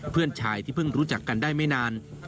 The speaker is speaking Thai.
เพื่อนชายที่เพิ่งรู้จักกันได้ไม่นาน